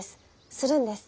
するんです。